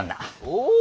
おお！